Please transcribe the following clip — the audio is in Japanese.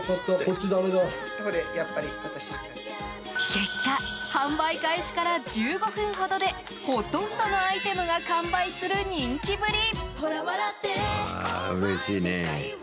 結果、販売開始から１５分ほどでほとんどのアイテムが完売する人気ぶり。